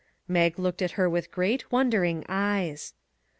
Mag looked at her with great, wondering eyes.